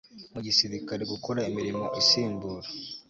mu gisirikare gukora imirimo isimbura